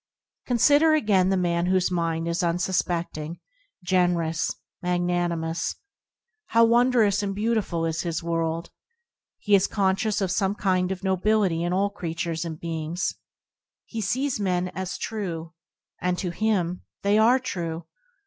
Consider again the man whose mind is un suspecting, generous, magnanimous. How wondrous and beautiful is his world. He is conscious of some kind of nobility in all crea tures and beings. He sees men as true, and to him they are true.